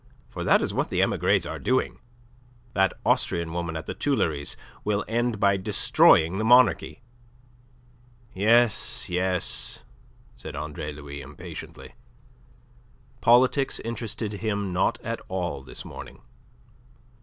For that is what the emigres are doing. That Austrian woman at the Tuileries will end by destroying the monarchy." "Yes, yes," said Andre Louis impatiently. Politics interested him not at all this morning.